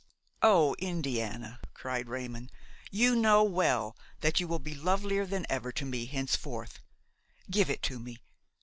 "O Indiana!" cried Raymon, "you know well that you will be lovelier than ever to me henceforth. Give it to me.